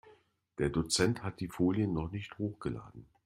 Der Dozent hat die Folien noch nicht hochgeladen.